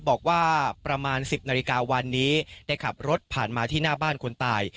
บอกว่าประมาณ๑๐นาฬิกาวันนี้ได้ขับรถผ่านมาที่หน้าบ้านคนตาย